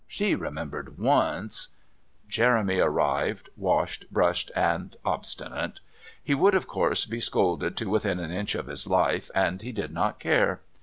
She remembered once Jeremy arrived, washed, brushed, and obstinate. He would, of course, be scolded to within an inch of his life, and he did not care.